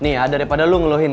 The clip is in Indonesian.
nih ya daripada lo ngeluhin kok